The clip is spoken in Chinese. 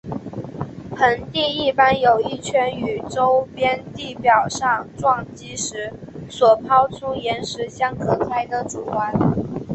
盆地一般有一圈与周边地表上撞击时所抛出岩石相隔开的主环。